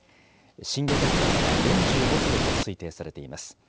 震源の深さは４５キロと推定されています。